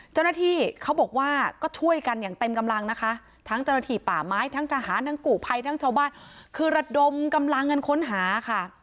เจ้าหน้าที่เขาบอกว่าก็ช่วยกันอย่างเต็มกำลังนะคะทั้งเจ้าหน้าที่ป่าไม้ทั้งทหารทั้งกู่ภัยทั้งชาวบ้านคือระดมกำลังกันค้นหาค่ะ